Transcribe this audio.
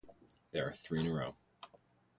There are three in a row.